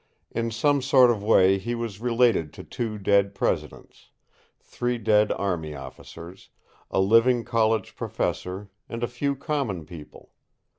In some sort of way he was related to two dead Presidents, three dead army officers, a living college professor, and a few common people.